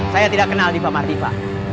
saya tidak kenal diva mardiva